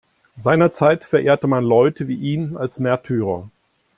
Seinerzeit verehrte man Leute wie ihn als Märtyrer.